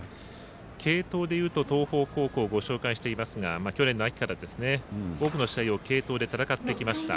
継投でいうと東邦高校ご紹介していますが去年の秋から多くの試合を継投で戦ってきました。